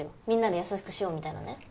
みんなで優しくしようみたいなね